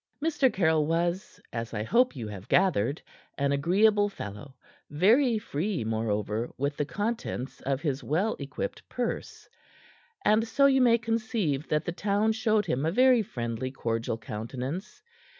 Mr. Caryll was as I hope you have gathered an agreeable fellow, very free, moreover, with the contents of his well equipped purse; and so you may conceive that the town showed him a very friendly, cordial countenance.